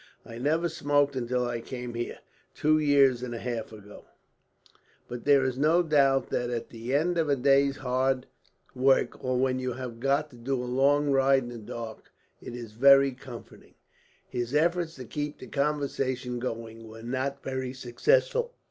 I never smoked until I came out here, two years and a half ago; but there is no doubt that at the end of a day's hard work, or when you have got to do a long ride in the dark, it is very comforting." His efforts to keep the conversation going were not very successful.